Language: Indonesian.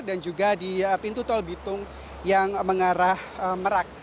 dan juga di pintu tol bitung yang mengarah merak